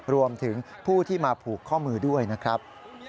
รวมถึงผู้ที่มาผูกข้อมือด้วยนะครับ